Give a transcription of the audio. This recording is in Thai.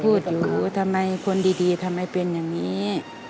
พูดอยู่ทำไมคนดีทำไมเป็นอย่างนี้